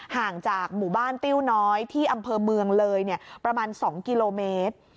ห่างจากหมู่บ้านติ้วน้อยที่อำเภอเมืองเลยประมาณ๒กิโลเมตร